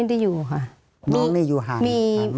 น้องนี่อยู่ห่างมาก